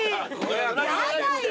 やだよ。